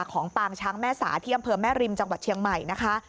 ของปางช้างแม่สาที่อำเภอแม่ริมจังหวัดเชียงใหม่นะคะ